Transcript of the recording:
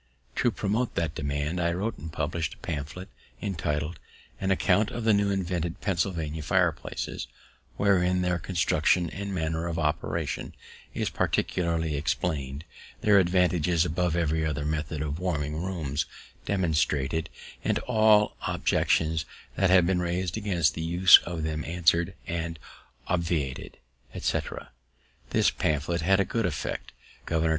To promote that demand, I wrote and published a pamphlet, entitled "_An Account of the new invented Pennsylvania Fireplaces; wherein their Construction and Manner of Operation is particularly explained; their Advantages above every other Method of warming Rooms demonstrated; and all Objections that have been raised against the Use of them answered and obviated_," etc. This pamphlet had a good effect. Gov'r.